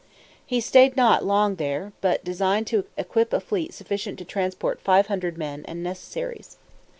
He stayed not long there, but designed to equip a fleet sufficient to transport five hundred men, and necessaries.